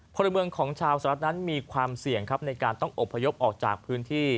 พลเมืองของชาวสหรัฐนั้นมีความเสี่ยงครับในการต้องอบพยพออกจากพื้นที่